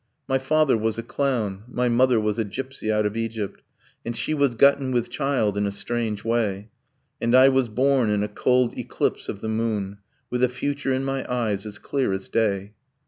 . My father was a clown, My mother was a gypsy out of Egypt; And she was gotten with child in a strange way; And I was born in a cold eclipse of the moon, With the future in my eyes as clear as day.'